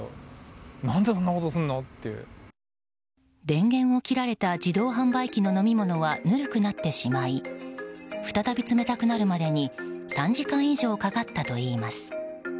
電源を切られた自動販売機の飲み物はぬるくなってしまい再び冷たくなるまでに３時間以上かかったといいます。